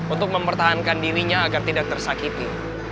untuk mempertahankan dirinya agar tidak tersakiti